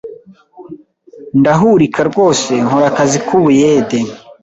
ndahurika rwose nkora akazi k’ubuyede